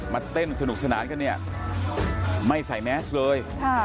เต้นสนุกสนานกันเนี่ยไม่ใส่แมสเลย